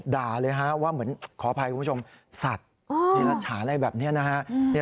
ด่าเลยฮะว่าเหมือนขออภัยคุณผู้ชมสัตว์นิรฉาอะไรแบบนี้นะฮะ